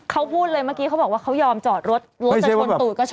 เขาพูดเลยเมื่อกี้เขาบอกว่าเขายอมจอดรถรถจะชนตูดก็ชอบ